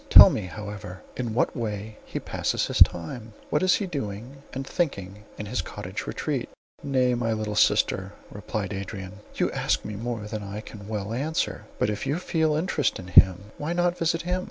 Tell me, however, in what way he passes his time; what he is doing and thinking in his cottage retreat?" "Nay, my sweet sister," replied Adrian, "you ask me more than I can well answer; but if you feel interest in him, why not visit him?